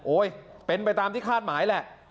เป็นไปตามที่คาดหมายแหละ